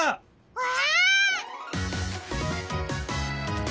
うわ！